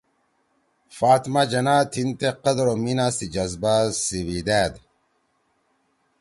فاطمہ جناح تھیِن تے قدر او میِنا سی جزبہ سیِویِدأد